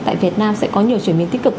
tại việt nam sẽ có nhiều chuyển biến tích cực